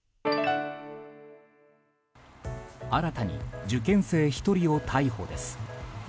新たに受験生１人を逮捕です。